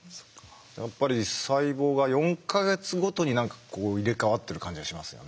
やっぱり細胞が４か月ごとに入れ代わってる感じがしますよね。